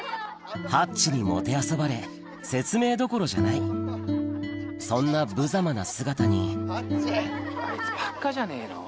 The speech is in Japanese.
ハッチにもてあそばれ説明どころじゃないそんなぶざまな姿にあいつバカじゃねえの？